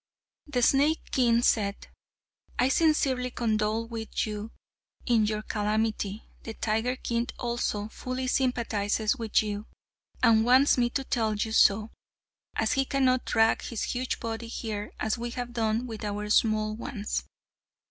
The snake king said: "I sincerely condole with you in your calamity; the tiger king also fully sympathises with you, and wants me to tell you so, as he cannot drag his huge body here as we have done with our small ones.